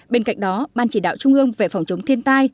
bên cạnh đó ban chỉ đạo trung ương về phòng chống thiên tai